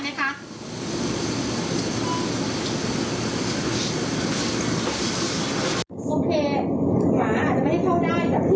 หมาไม่ได้หมาโทรปม